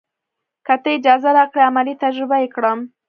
که تۀ اجازه راکړې عملي تجربه یې کړم.